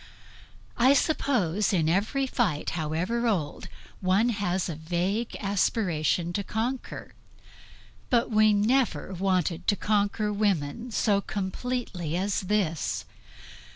I suppose in every fight, however old, one has a vague aspiration to conquer; but we never wanted to conquer women so completely as this.